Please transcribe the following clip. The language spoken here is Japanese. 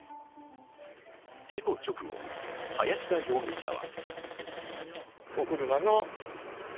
事故直後、林田容疑者は。